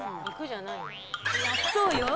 そうよ。